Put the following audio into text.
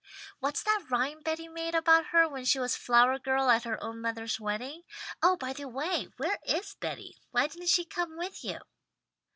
What's that rhyme Betty made about her when she was flower girl at her own mother's wedding? Oh by the way, where is Betty? Why didn't she come with you?"